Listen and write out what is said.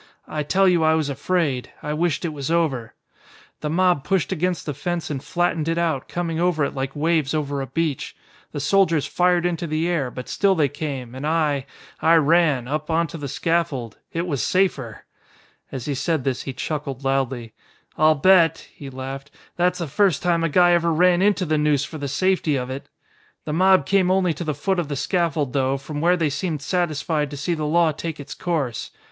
I tell you I was afraid. I wished it was over. "The mob pushed against the fence and flattened it out, coming over it like waves over a beach. The soldiers fired into the air, but still they came, and I, I ran up, onto the scaffold. It was safer!" As he said this he chuckled loudly. "I'll bet," he laughed, "that's the first time a guy ever ran into the noose for the safety of it! The mob came only to the foot of the scaffold though, from where they seemed satisfied to see the law take its course.